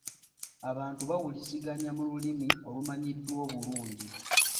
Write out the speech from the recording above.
Abantu bawuliziganya mu lulimi olumanyiddwa obulungi.